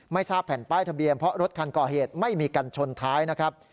ทราบแผ่นป้ายทะเบียนเพราะรถคันก่อเหตุไม่มีกันชนท้ายนะครับ